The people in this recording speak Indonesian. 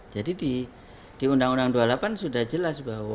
jadi di undang undang no dua puluh delapan sudah jelas bahwa